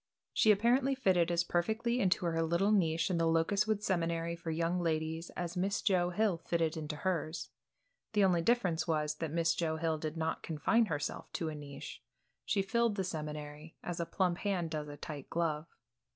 She apparently fitted as perfectly into her little niche in the Locustwood Seminary for young ladies as Miss Joe Hill fitted into hers. The only difference was that Miss Joe Hill did not confine herself to a niche; she filled the seminary, as a plump hand does a tight glove.